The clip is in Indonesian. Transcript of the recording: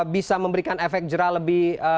bisa memberikan efek jerah lebih